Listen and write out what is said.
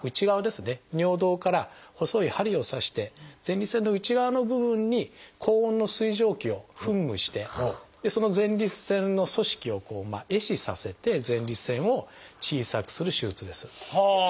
尿道から細い針を刺して前立腺の内側の部分に高温の水蒸気を噴霧してその前立腺の組織を壊死させて前立腺を小さくする手術です。